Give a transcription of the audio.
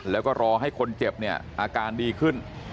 แล้วก็รอให้คนเจ็บเนี่ยอาการดีขึ้น